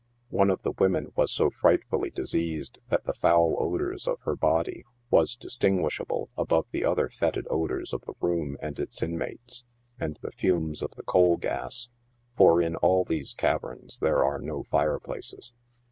One of these women was so frightfully diseased that the foul odors of her body was distinguishable above the other fetid odors of the room and its inmates, and the fumes of the coal gas ; for in all these caverns there are no fire places.